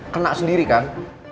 kena sendiri kan